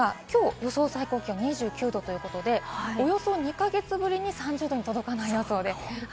東京ですが、きょう予想最高気温２９度ということで、およそ２か月ぶりに３０℃に届かない予想です。